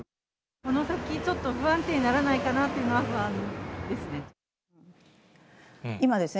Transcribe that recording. この先、ちょっと不安定にならないかなというのは不安ですね。